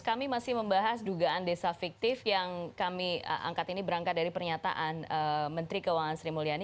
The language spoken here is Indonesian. kami masih membahas dugaan desa fiktif yang kami angkat ini berangkat dari pernyataan menteri keuangan sri mulyani